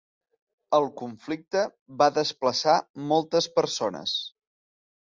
El conflicte va desplaçar moltes persones.